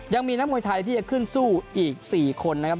ยังมีนักมวยไทยที่จะขึ้นสู้อีก๔คนนะครับ